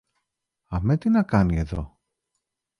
Αμέ τι να κάνει εδώ;